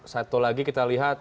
satu lagi kita lihat